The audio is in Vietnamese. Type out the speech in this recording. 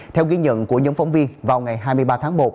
theo ghi nhận của nhóm phóng viên vào ngày hai mươi ba tháng một